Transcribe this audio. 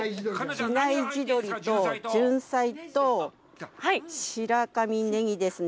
比内地鶏とジュンサイと白神ネギですね。